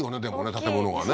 建物がね